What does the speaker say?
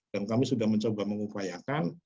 dan kami sudah mencoba mengupayakan